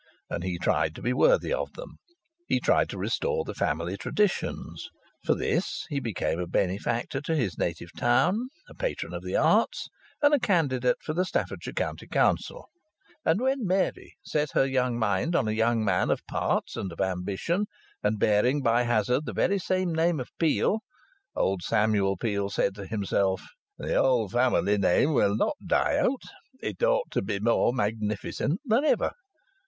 And he tried to be worthy of them. He tried to restore the family traditions. For this he became a benefactor to his native town, a patron of the arts, and a candidate for the Staffordshire County Council. And when Mary set her young mind on a young man of parts and of ambition, and bearing by hazard the very same name of Peel, old Samuel Peel said to himself: "The old family name will not die out. It ought to be more magnificent than ever."